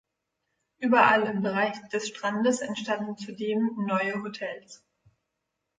Überall im Bereich des Strandes entstanden zudem neue Hotels.